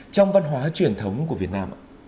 trong văn hóa truyền thống của việt nam